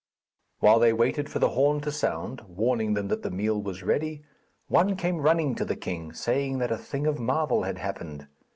While they waited for the horn to sound, warning them that the meal was ready, one came running to the king, saying that a thing of marvel had happened.